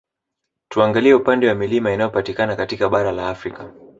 Tuangalie upande wa Milima inayopatikana katika bara la Afrika